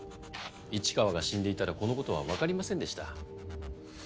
市川が死んでいたらこの事はわかりませんでした。